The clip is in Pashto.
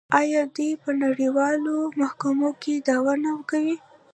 آیا دوی په نړیوالو محکمو کې دعوا نه کوي؟